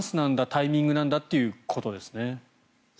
タイミングなんだということですね。